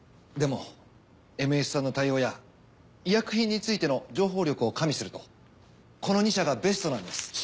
でもＭＳさんの対応や医薬品についての情報力を加味するとこの２社がベストなんです。